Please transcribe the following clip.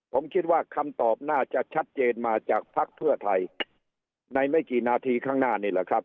ผมคิดว่าคำตอบน่าจะชัดเจนมาจากภักดิ์เพื่อไทยในไม่กี่นาทีข้างหน้านี่แหละครับ